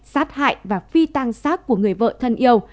sát hại và phi tang sát của người vợ thân yêu